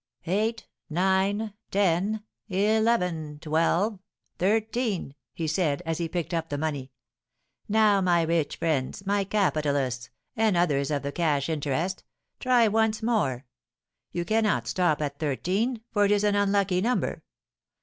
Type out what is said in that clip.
"Eight nine ten eleven twelve thirteen!" he said, as he picked up the money. "Now, my rich friends, my capitalists, and others of the cash interest, try once more. You cannot stop at thirteen, for it is an unlucky number!